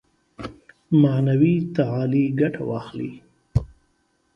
معنوي تعالي ګټه واخلي.